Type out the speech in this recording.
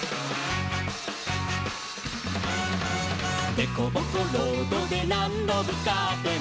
「でこぼこロードでなんどぶつかっても」